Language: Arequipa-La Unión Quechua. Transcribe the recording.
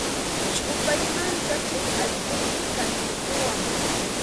Chʼupaymantam chay allquyki kanirquwan.